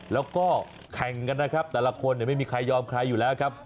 แล้วก็แข่งกันนะครับแต่ละคนไม่มีใครยอมใครอยู่แล้วครับ